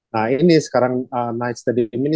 nah ini sekarang naik stadium ini